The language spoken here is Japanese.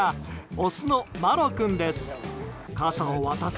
オスのマロ君です。